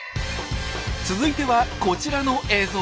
続いてはこちらの映像。